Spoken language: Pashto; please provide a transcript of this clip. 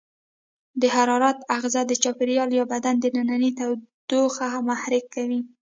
د حرارت آخذه د چاپیریال یا بدن دننۍ تودوخه محرک کوي.